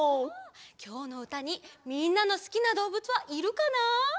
きょうのうたにみんなのすきなどうぶつはいるかな？